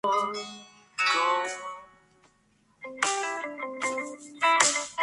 Aún no es compatible para Supercard.